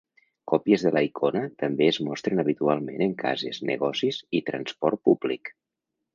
Còpies de la icona també es mostren habitualment en cases, negocis i transport públic.